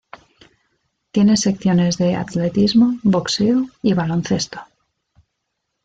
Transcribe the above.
Tiene secciones de atletismo, boxeo y baloncesto.